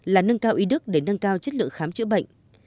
là nâng cao y đức để nâng cao chất lượng khám chữa bệnh